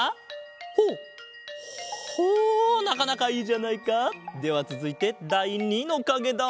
ほうほなかなかいいじゃないか！ではつづいてだい２のかげだ。